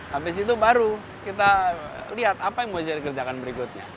habis itu baru kita lihat apa yang mau saya dikerjakan berikutnya